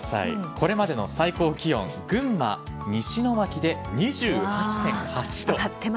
これまでの最高気温群馬・西野牧で２８．８度。